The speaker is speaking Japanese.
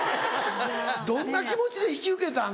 どんな気持ちで引き受けたん？